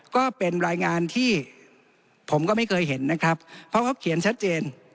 ก็เป็นรายงานที่ผมก็ไม่เคยเห็นนะครับเพราะเขาเขียนชัดเจน